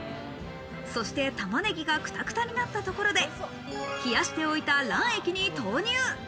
そして玉ねぎがクタクタになったところで、冷やしておいた卵液に投入。